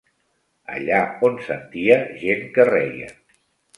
Allà on sentia gent que reia